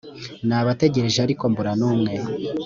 nabategereje ariko mbura n’umwe.